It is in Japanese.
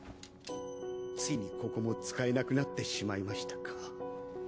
ついにここも使えなくなってしまいましたか。